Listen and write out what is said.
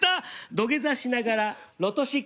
土下座しながらロト６。